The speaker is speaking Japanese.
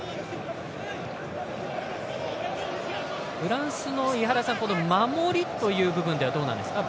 フランスの守りという部分ではどうなんですか？